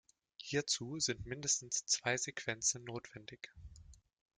Hierzu sind mindestens zwei Sequenzen notwendig.